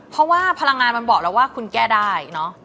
เพราะว่าพลังงานมันบอกว่าคุณแก้ได้